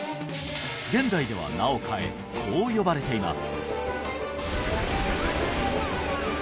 現代では名を変えこう呼ばれています